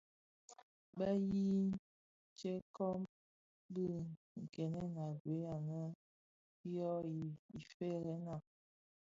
Be yii tsè kōm bi nkènèn a gued anë yō Ifëërèna.